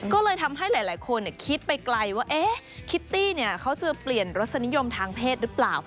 ก็เลยทำให้หลายคนคิดไปไกลว่าคิตตี้เขาจะเปลี่ยนรสนิยมทางเพศหรือเปล่า